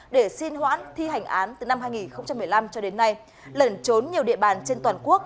để xin hoãn thi hành án từ năm hai nghìn một mươi năm cho đến nay lẩn trốn nhiều địa bàn trên toàn quốc